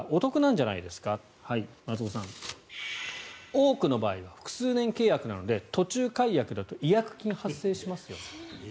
多くの場合は複数年契約なので途中解約だと違約金が発生しますよ。